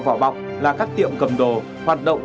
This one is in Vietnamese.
vỏ bọc là các tiệm cầm đồ hoạt động